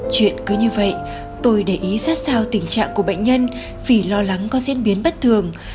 chuyện cứ như vậy tôi để ý sát sao tình trạng của bệnh nhân vì lo lắng có diễn biến bất thường